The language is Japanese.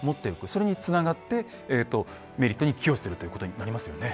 それにつながってメリットに寄与するということになりますよね。